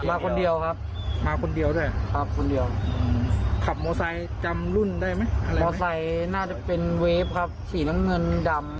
มาคนเดียวครับครับคนเดียว